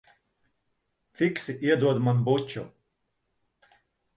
Fiksi iedod man buču.